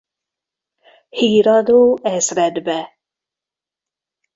Híradó Ezredbe.